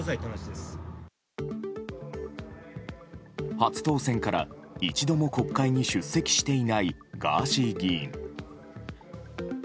初当選から一度も国会に出席していないガーシー議員。